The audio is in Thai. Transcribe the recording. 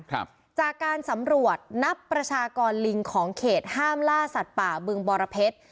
ครับจากการสำรวจนับประชากรลิงของเขตห้ามล่าสัตว์ป่าบึงบรเพชร